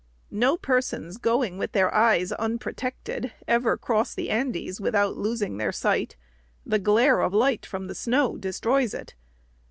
No persons, going with their eyes unprotected, ever cross the Andes, without losing their sight. The glare of light from the snow destroys it.